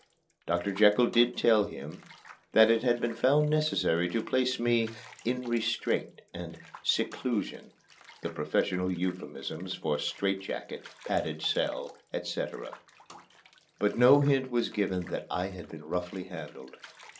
Doctor Jekyll did tell him that it had been found necessary to place me in "restraint" and "seclusion" (the professional euphemisms for "strait jacket," "padded cell," etc.), but no hint was given that I had been roughly handled.